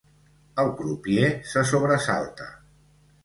El crupier se sobresalta.